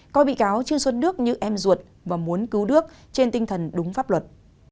coi bị cáo trương xuân đức như em ruột và muốn cứu đức trên tinh thần đúng pháp luật